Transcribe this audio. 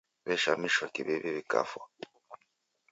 W'eshamishwa kiw'iw'i w'ikafwa.